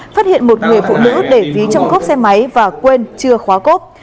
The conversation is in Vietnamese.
phát hiện một người phụ nữ để ví trong cốp xe máy và quên chưa khóa cốp